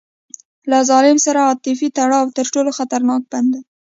له ظالم سره عاطفي تړاو تر ټولو خطرناک بند دی.